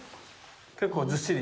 結構ずっしり。